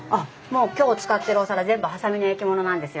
今日使ってるお皿全部波佐見の焼き物なんですよ。